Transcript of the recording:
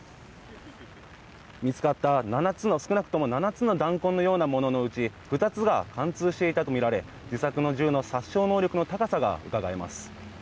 見つかった少なくとも７つの弾痕のようなもののうち２つが貫通していたとみられ自作の銃の殺傷能力の高さがうかがえます。